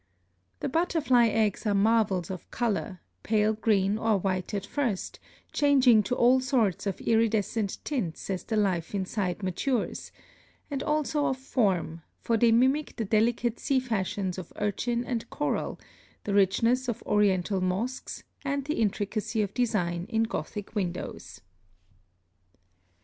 The butterfly eggs are marvels of color, pale green or white at first, changing to all sorts of iridescent tints as the life inside matures, and also of form, for they mimic the delicate sea fashions of urchin and coral, the richness of oriental mosques, and the intricacy of design in Gothic windows.